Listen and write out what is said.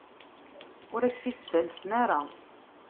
Ur ak-t-id-ttalsen ara.